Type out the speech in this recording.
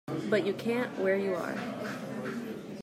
But you can’t where you are.